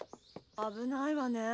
危ないわねえ。